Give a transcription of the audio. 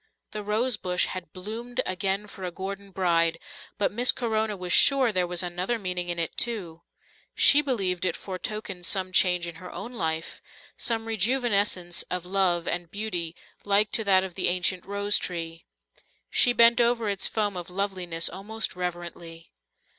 The rosebush had bloomed again for a Gordon bride, but Miss Corona was sure there was another meaning in it too; she believed it foretokened some change in her own life, some rejuvenescence of love and beauty like to that of the ancient rose tree. She bent over its foam of loveliness almost reverently.